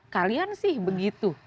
kalian sih begitu